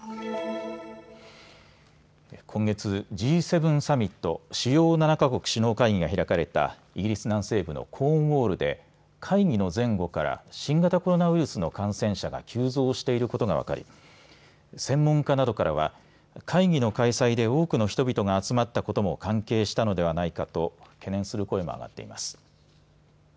今月、Ｇ７サミット・主要７か国首脳会議が開かれたイギリス南西部のコーンウォールで会議の前後から新型コロナウイルスの感染者が急増していることが分かり専門家などからは会議の開催で多くの人々が集まったことも関係したのではないかと懸念する声も上がっています。